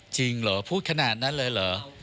จริงเหรอพูดขนาดนั้นเลยเหรอ